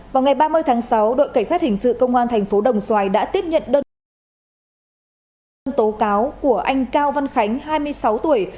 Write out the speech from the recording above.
vào ngày ba mươi tháng sáu đội cảnh sát hình sự công an thành phố đồng xoài đã tiếp nhận đơn kháng cáo của anh cao văn khánh hai mươi sáu tuổi